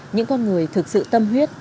những con người thực sự tâm huyết